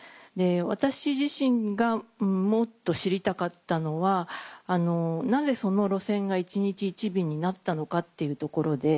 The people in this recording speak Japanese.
私自身がもっと知りたかったのはなぜその路線が１日１便になったのかっていうところで。